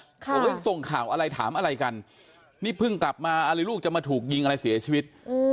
บอกว่าส่งข่าวอะไรถามอะไรกันนี่เพิ่งกลับมาอะไรลูกจะมาถูกยิงอะไรเสียชีวิต